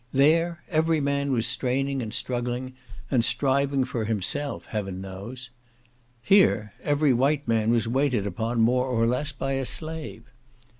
There every man was straining, and struggling, and striving for himself (heaven knows!) Here every white man was waited upon, more or less, by a slave.